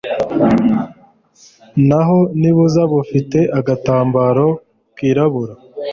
naho nibuza bufite agatambaro kirabura